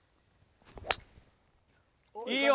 いいよ！